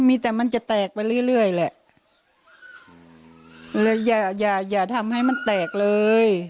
มีแต่มันจะแตกไปเรื่อยเรื่อยแหละเลยอย่าอย่าอย่าทำให้มันแตกเลย